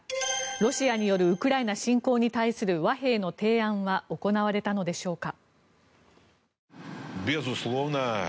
ロシアによるウクライナ侵攻に対する和平の提案は行われたのでしょうか。